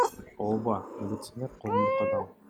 Ооба, милиционер — коомдук адам.